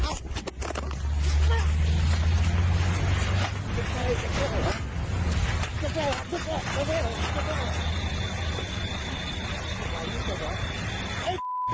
จับไว้จับไว้เห็ดปะ